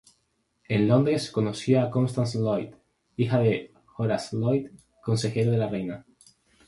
En Londres conoció a Constance Lloyd, hija de Horace Lloyd, consejero de la reina.